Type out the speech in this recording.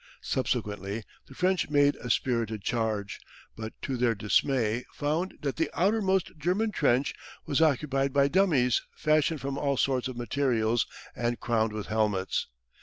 Subsequently the French made a spirited charge, but to their dismay found that the outermost German trench was occupied by dummies fashioned from all sorts of materials and crowned with helmets!